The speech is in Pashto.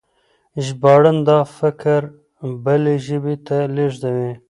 ژباړن دا فکر بلې ژبې ته لېږدوي.